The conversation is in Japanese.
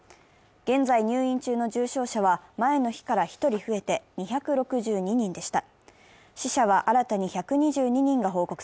現在入院中の重症者は前の日から１人増えて２６２人でした。